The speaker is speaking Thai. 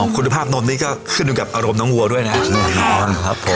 คุณภาพนมนี่ก็ขึ้นอยู่กับอารมณ์น้องวัวด้วยนะน้องออนครับผม